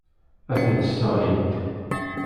Ad tent-sseɣlint.